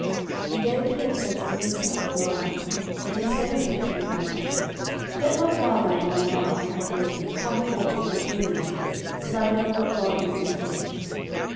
09:022:003 And David went thence to Mizpeh of Moab: and he said unto the king of Moab, Let my father and my mother, I pray thee, come forth, and be with you, till I know what God will do for me.